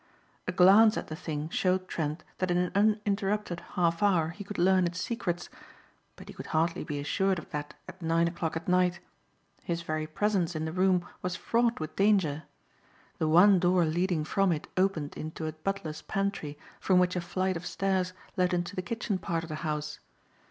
A glance at the thing showed Trent that in an uninterrupted half hour he could learn its secrets. But he could hardly be assured of that at nine o'clock at night. His very presence in the room was fraught with danger. The one door leading from it opened into a butler's pantry from which a flight of stairs led into the kitchen part of the house.